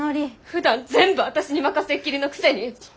ふだん全部私に任せっきりのくせに！